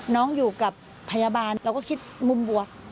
อยู่กับพยาบาลเราก็คิดมุมบวก